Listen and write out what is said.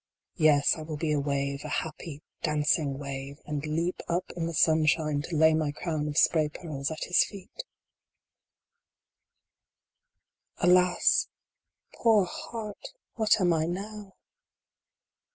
Yes, I will be a wave a happy, dancing wave and leap up in the sunshine to lay my crown of spray pearls at his feet VI. Alas ! poor heart, what am I now